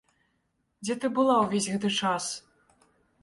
Дзе ты была ўвесь гэты час?